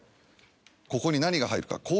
ここに何が入るか？